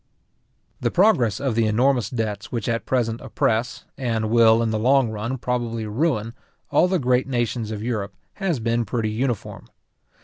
The progress of the enormous debts which at present oppress, and will in the long run probably ruin, all the great nations of Europe, has been pretty uniform.